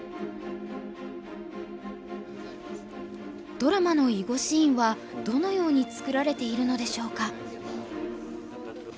ドラマの囲碁シーンはどのように作られているのでしょうか？